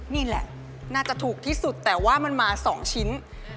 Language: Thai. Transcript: นี่แหละน่าจะถูกที่สุดแต่ว่ามันมา๒ชิ้น